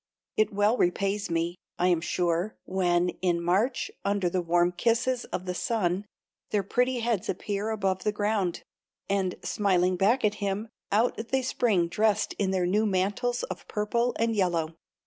It well repays me, I am sure, when, in March under the warm kisses of the sun their pretty heads appear above the ground, and, smiling back at him, out they spring dressed in their new mantles of purple and yellow."